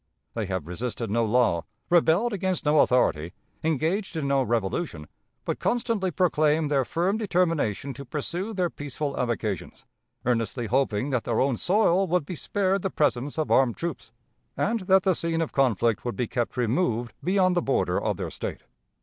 They have resisted no law, rebelled against no authority, engaged in no revolution, but constantly proclaimed their firm determination to pursue their peaceful avocations, earnestly hoping that their own soil would be spared the presence of armed troops, and that the scene of conflict would be kept removed beyond the border of their State.